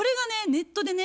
ネットでね